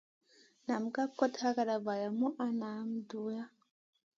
Nam ka kot yagana valam a na dura.